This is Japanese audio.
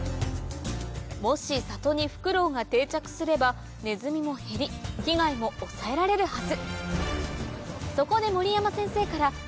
もし里にフクロウが定着すればネズミも減り被害も抑えられるはず